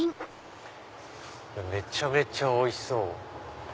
めちゃめちゃおいしそう！